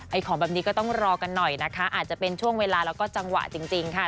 ของแบบนี้ก็ต้องรอกันหน่อยนะคะอาจจะเป็นช่วงเวลาแล้วก็จังหวะจริงค่ะ